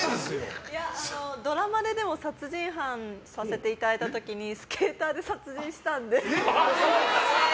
ドラマで殺人犯をさせていただいた時にスケートで殺人したんで。